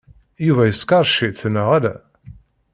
Yuba yeskeṛ ciṭ, neɣ ala?